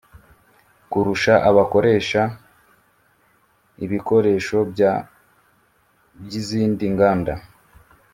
kurusha abakoresha ibikoresho bya by’ izindi nganda